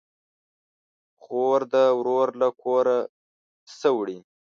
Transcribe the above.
خور ده ورور له کوره سه وړي